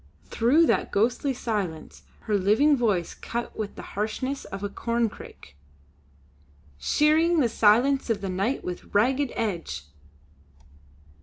Through that ghostly silence her living voice cut with the harshness of a corncrake. "Shearing the silence of the night with ragged edge."